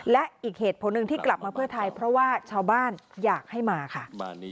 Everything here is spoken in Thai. และอีกเหตุผลหนึ่งที่กลับมาเพื่อไทยเพราะว่าชาวบ้านอยากให้มาค่ะ